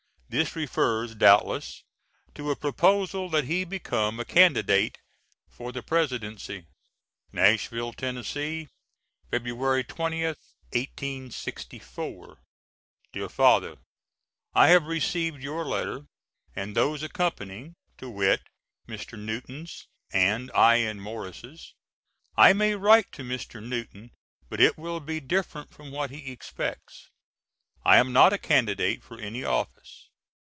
This refers, doubtless, to a proposal that he become a candidate for the Presidency.] Nashville, Tenn., Feby. 20th, 1864. DEAR FATHER: I have received your letter and those accompanying, to wit, Mr. Newton's and I.N. Morris'. I may write to Mr. Newton but it will be different from what he expects. I am not a candidate for any office.